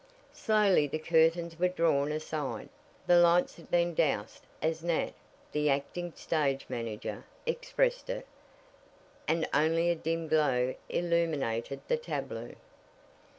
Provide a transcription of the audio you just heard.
Slowly the curtains were drawn aside. The lights had been "doused" as Nat, the acting stage manager, expressed it, and only a dim glow illuminated the tableau.